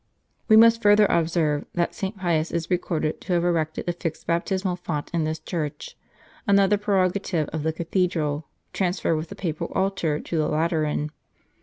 We must further observe, that St. Pius is recorded to have erected a fixed baptismal font in this church, another prerogative of the cathedral, transferred with the papal altar to the Lateran.